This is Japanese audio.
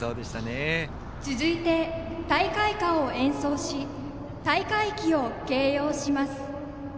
続いて大会歌を演奏し大会旗を掲揚します。